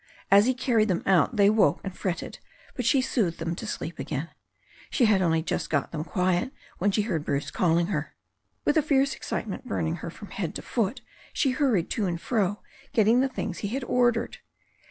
As he carried them out they woke and fretted, bat she soothed them to sleep again. She had only just got them quiet when she heard Bruce calling her. With a fierce excitement burning her from head to foot she hurried to and fro getting the things he had ordered.